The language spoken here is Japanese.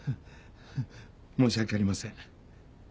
申し訳ありません。